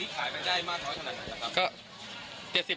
อันนี้ขายไปได้มากเท่าไหร่ขนาดไหนครับครับ